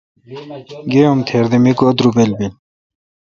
گے ام تھیر دہ میگو درُبل بیل۔